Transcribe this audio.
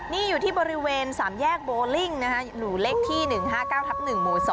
นี่อยู่ที่บริเวณ๓แยกโบลิ่งหนูเลขที่๑๕๙ทับ๑หมู่๒